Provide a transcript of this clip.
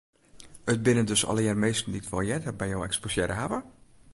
It binne dus allegear minsken dy't wol earder by jo eksposearre hawwe?